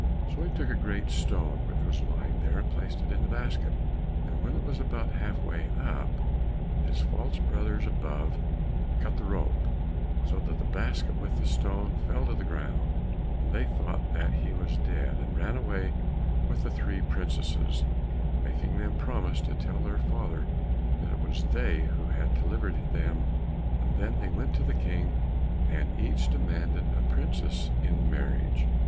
So he took a great stone which was lying there, and placed it in the basket, and when it was about half way up, his false brothers above cut the rope, so that the basket with the stone fell to the ground, and they thought that he was dead, and ran away with the three princesses, making them promise to tell their father that it was they who had delivered them, and then they went to the King, and each demanded a princess in marriage.